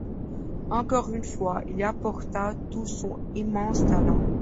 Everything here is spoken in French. Encore une fois, il y apporta tout son immense talent.